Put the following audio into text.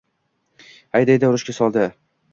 Haydadi, urushga soldi.